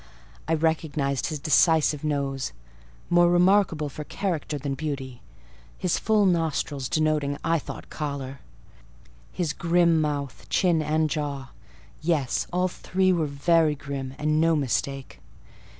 I recognised his decisive nose, more remarkable for character than beauty; his full nostrils, denoting, I thought, choler; his grim mouth, chin, and jaw—yes, all three were very grim, and no mistake.